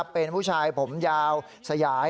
เป็นผู้ชายผมยาวสยาย